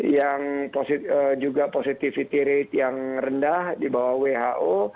yang juga positivity rate yang rendah di bawah who